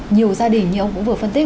nhiều gia đình như ông cũng vừa phân tích